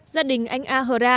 gia đình anh a hờ ra